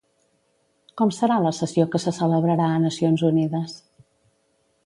Com serà la sessió que se celebrarà a Nacions Unides?